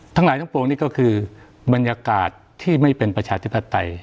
ทั้งหลายทั้งปวงนี่ก็คือบรรยากาศที่ไม่เป็นประชาธิปไตย